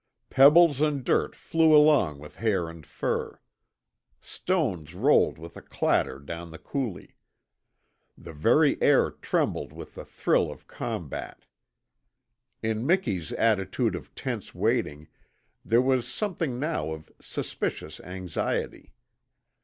Pebbles and dirt flew along with hair and fur. Stones rolled with a clatter down the coulee. The very air trembled with the thrill of combat. In Miki's attitude of tense waiting there was something now of suspicious anxiety.